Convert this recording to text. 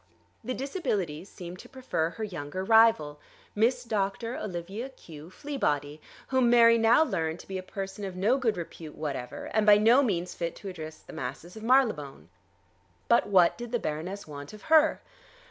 The Disabilities seemed to prefer her younger rival, Miss Doctor Olivia Q. Fleabody, whom Mary now learned to be a person of no good repute whatever, and by no means fit to address the masses of Marylebone. But what did the Baroness want of her?